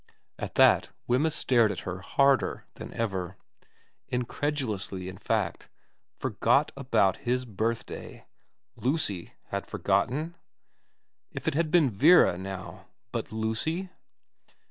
At that Wemyss stared at her harder than ever; incredulously, in fact. Forgot about his birthday ? Lucy had forgotten ? If it had been Vera, now but Lucy